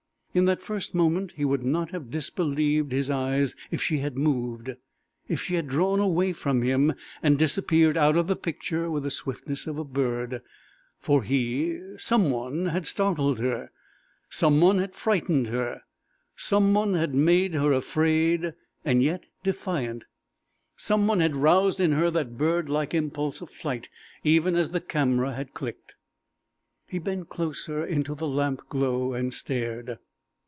In that first moment he would not have disbelieved his eyes if she had moved, if she had drawn away from him and disappeared out of the picture with the swiftness of a bird. For he some one had startled her; some one had frightened her; some one had made her afraid, and yet defiant; some one had roused in her that bird like impulse of flight even as the camera had clicked. He bent closer into the lampglow, and stared.